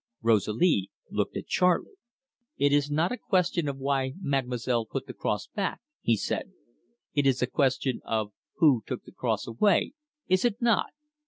Rosalie looked at Charley. "It is not a question of why mademoiselle put the cross back," he said. "It is a question of who took the cross away, is it not?